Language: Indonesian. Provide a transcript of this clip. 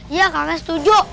iya kakak setuju